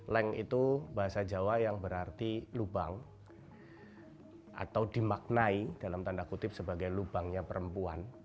leng itu bahasa jawa yang berarti lubang atau dimaknai dalam tanda kutip sebagai lubangnya perempuan